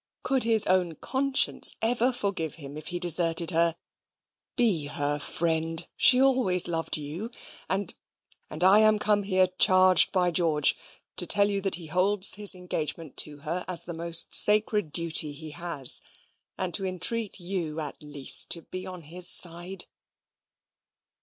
Could his own conscience ever forgive him if he deserted her? Be her friend she always loved you and and I am come here charged by George to tell you that he holds his engagement to her as the most sacred duty he has; and to entreat you, at least, to be on his side."